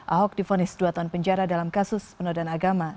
ahok difonis dua tahun penjara dalam kasus penodaan agama